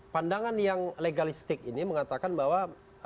pandangan yang legalistik ini mengatakan bahwa